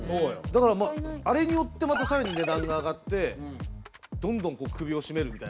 だからあれによってまた更に値段が上がってどんどんこう首を絞めるみたいな。